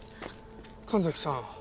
神崎さん